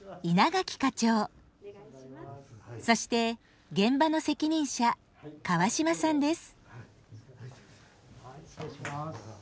そして現場の責任者川島さんです。